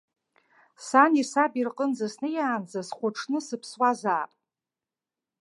Сани саби рҟынӡа снеиаанӡа схәаҽны сыԥсуазаап.